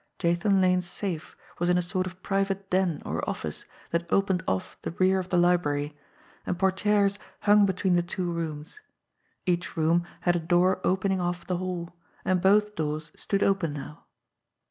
Jathan Lane's safe was in a sort of private den or office that opened off the rear of the library, and portieres hung between the two rooms ; each room had a door opening off the hall, and both doors stood open now.